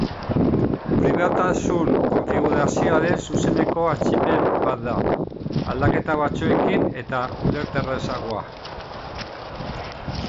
Pribatutasun konfigurazioaren zuzeneko atzipen bat da, aldaketa batzuekin eta ulerterrazagoa.